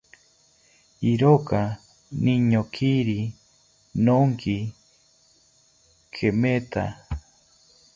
Iroka niñokiri noonki kemetha